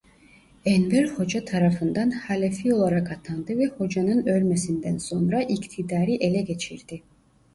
Enver Hoca tarafından halefi olarak atandı ve Hoca'nın ölmesinden sonra iktidarı ele geçirdi.